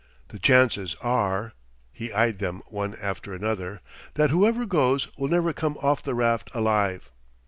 The chances are" he eyed them one after another "that whoever goes will never come off the raft alive.